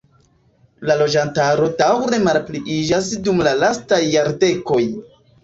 La loĝantaro daŭre malpliiĝas dum la lastaj jardekoj.